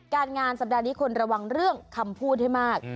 การงานสัปดาห์นี้ควรระวังเรื่องคำพูดให้มาก